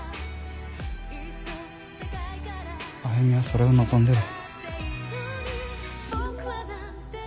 歩美はそれを望んでる。